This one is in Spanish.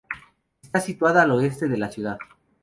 Está situada al oeste de la ciudad.